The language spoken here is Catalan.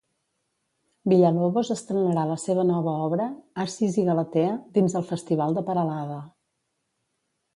Villalobos estrenarà la seva nova obra, "Acis i Galatea", dins el Festival de Peralada.